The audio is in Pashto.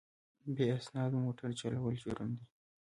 بې اسنادو موټر چلول جرم دی.